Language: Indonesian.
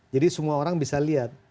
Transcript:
jadi semua orang bisa lihat